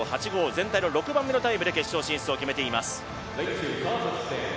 全体の６番目のタイムで決勝進出を決めています。